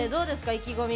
意気込み。